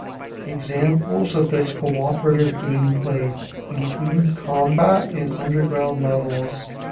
Examples of this co-operative gameplay include combat in underground levels.